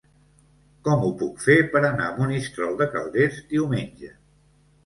Com ho puc fer per anar a Monistrol de Calders diumenge?